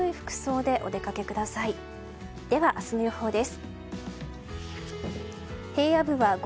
では明日の予報です。